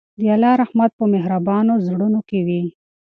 د الله رحمت په مهربانو زړونو کې وي.